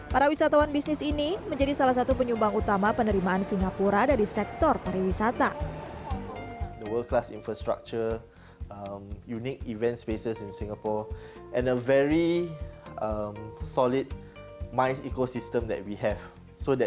para wisatawan bisnis ini menjadi salah satu penyumbang utama penerimaan singapura dari sektor pariwisata